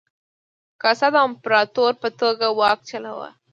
کاسا د امپراتور په توګه واک چلاوه.